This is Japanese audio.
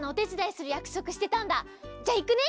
じゃいくね！